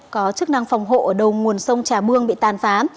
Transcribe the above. có chức năng phòng hộ ở đầu nguồn sông trà bương bị tàn phá